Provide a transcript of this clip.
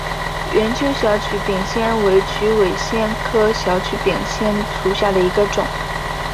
圆锹小曲柄藓为曲尾藓科小曲柄藓属下的一个种。